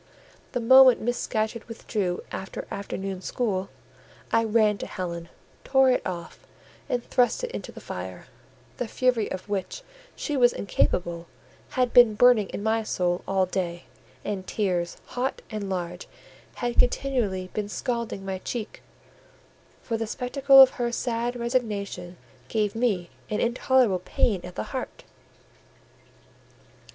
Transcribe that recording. The moment Miss Scatcherd withdrew after afternoon school, I ran to Helen, tore it off, and thrust it into the fire: the fury of which she was incapable had been burning in my soul all day, and tears, hot and large, had continually been scalding my cheek; for the spectacle of her sad resignation gave me an intolerable pain at the heart.